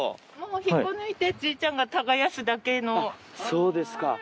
そうですか。